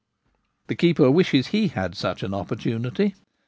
The keeper wishes he had such an opportunity.